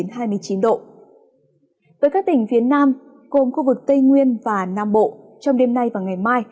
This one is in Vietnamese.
với các tỉnh phía nam gồm khu vực tây nguyên và nam bộ trong đêm nay và ngày mai